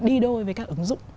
đi đôi với các ứng dụng